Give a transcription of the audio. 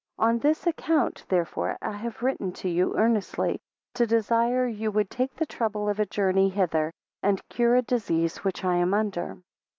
5 On this account therefore I have written to you, earnestly to desire you would take the trouble of a journey hither, and cure a disease which I am under.